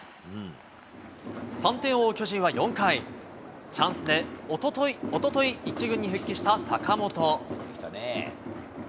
３点を追う巨人は４回、チャンスで一昨日、１軍に復帰した坂本。